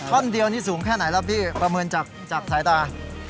ท่อนเดียวนี่สูงแค่ไหนแล้วพี่ประเมินจากสายตา